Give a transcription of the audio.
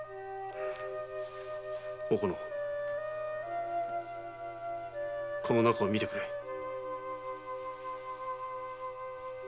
おこのこの中を見てくれ。